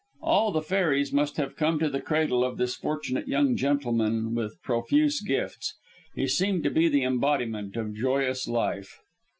All the fairies must have come to the cradle of this fortunate young gentleman with profuse gifts. He seemed to be the embodiment of joyous life.